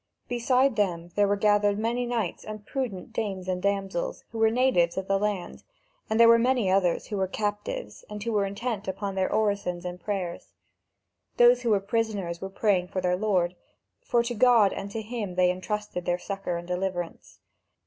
Beside them, there were gathered there many knights and prudent dames and damsels, who were natives of that land; and there were many others, who were captives, and who were intent upon their orisons and prayers. Those who were prisoners were praying for their lord, for to God and to him they entrusted their succour and deliverance.